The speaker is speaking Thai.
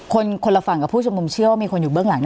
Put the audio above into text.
คนละฝั่งกับผู้ชุมนุมเชื่อว่ามีคนอยู่เบื้องหลัง